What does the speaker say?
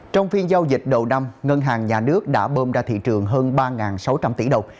trong phiên giao dịch đầu năm ngân hàng nhà nước đã bơm ra thị trường hơn ba sáu trăm linh tỷ đồng